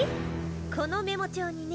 このメモ帳にね。